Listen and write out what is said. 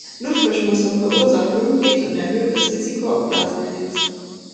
Luftverschmutzung verursacht Lungenkrebs und erhöht das Risiko auf Blasenkrebs.